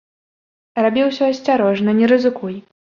Рабі ўсё асцярожна, не рызыкуй.